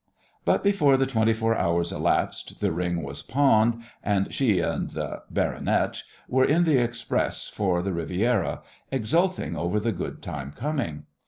But before the twenty four hours elapsed the ring was pawned and she and the "baronet" were in the express for the Riviera, exulting over the good time coming.